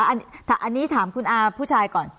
อันที่นี่ถามคุณอาคุณผู้ชายก่อน